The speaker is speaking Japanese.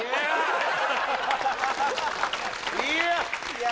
いや